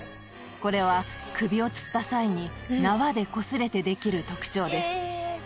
これは首を吊った際に縄でこすれてできる特徴です。